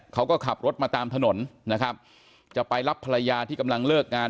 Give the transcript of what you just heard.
เขาก็ขับรถมาตามถนนนะครับจะไปรับภรรยาที่กำลังเลิกงาน